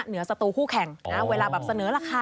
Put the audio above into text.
เหนือศัตรูผู้แข่งเวลาแบบเสนอราคา